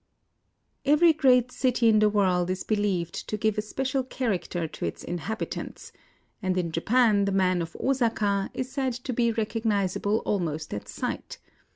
Every great city in the world is believed to give a special character to its inhabitants ; and in Japan the man of Osaka is said to be recognizable almost at sight.